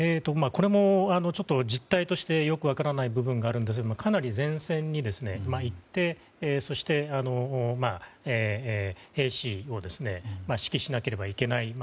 これも実態としてよく分からない部分がありますがかなり前線に行って兵士を指揮しなければいけない。